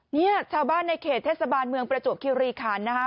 เนี่ยชาวบ้านในเขตเทศบาลเมืองประจวบคิวรีคันนะคะ